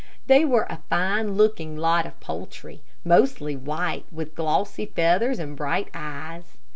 They were a fine looking lot of poultry, mostly white, with glossy feathers and bright eyes.